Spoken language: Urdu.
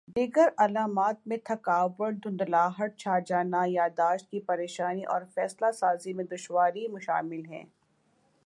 دیگر علامات میں تھکاوٹ دھندلاہٹ چھا جانا یادداشت کی پریشانی اور فیصلہ سازی میں دشواری شامل ہیں